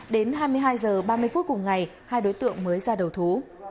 đến hai mươi hai h ba mươi phút cùng ngày hai đối tượng mới ra đầu thú